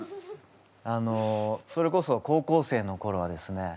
あのそれこそ高校生のころはですね